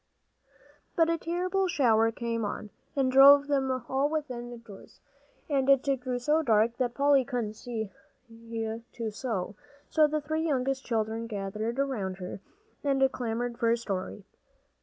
But a terrible shower came on, and drove them all within doors, and it grew so dark that Polly couldn't see to sew. So the three youngest children gathered around her and clamored for a story.